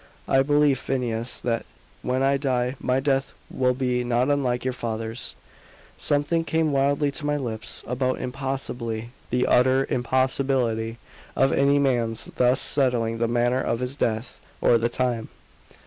"I believe, Phineas, that when I die my death will be not unlike your father's." Something came wildly to my lips about "impossibility," the utter impossibility, of any man's thus settling the manner of his death, or the time.